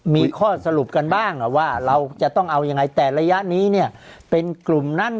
มีข้อสรุปกันบ้างว่าเราจะต้องเอายังไงแต่ระยะนี้เนี่ยเป็นกลุ่มนั้น